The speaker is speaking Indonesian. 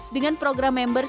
dengan program yang berbeda